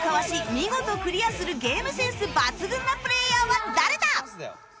見事クリアするゲームセンス抜群なプレイヤーは誰だ？